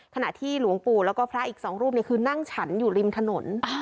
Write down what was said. ขณะที่หลวงปู่แล้วก็พระอีกสองรูปคือนั่งฉันอยู่ริมถนน